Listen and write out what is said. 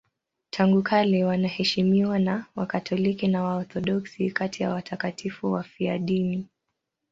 Tangu kale wanaheshimiwa na Wakatoliki na Waorthodoksi kati ya watakatifu wafiadini.